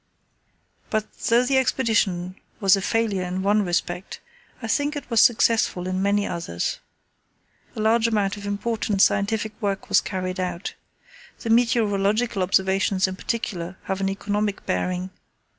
But though the Expedition was a failure in one respect, I think it was successful in many others. A large amount of important scientific work was carried out. The meteorological observations in particular have an economic bearing.